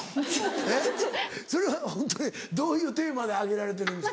えっそれはどういうテーマで上げられてるんですか？